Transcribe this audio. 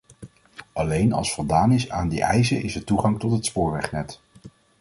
Alleen als voldaan is aan die eisen is er toegang tot het spoorwegnet.